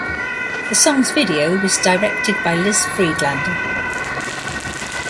The song's video was directed by Liz Friedlander.